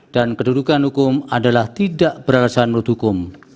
dan kedudukan hukum adalah tidak berharga menurut hukum